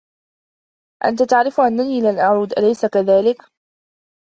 أنت تعرف أنني لن أعود، أليس كذلك؟